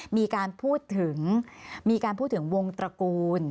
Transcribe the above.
มีการพูดถึงมีการพูดถึงวงตระกูล